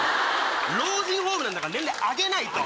老人ホームだから年齢上げないと！